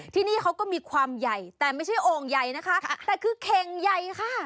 ที่นี่เขาก็มีความใหญ่แต่ไม่ใช่โอ่งใหญ่นะคะแต่คือเข่งใหญ่ค่ะ